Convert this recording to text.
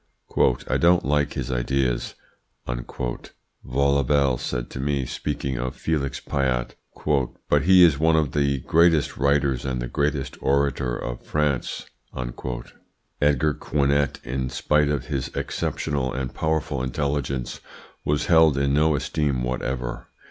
`I don't like his ideas,' Vaulabelle said to me, speaking of Felix Pyat,' but he is one of the greatest writers and the greatest orator of France.' Edgar Quinet, in spite of his exceptional and powerful intelligence, was held in no esteem whatever.